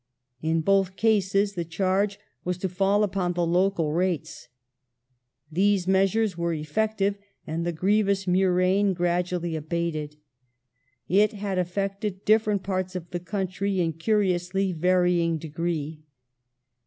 In both cases the charge was to fall upon the local rates. These measures were effective, and the grievous murrain gradually abated. It had affected different parts of the country in curiously varying degree.